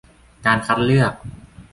การคัดเลือก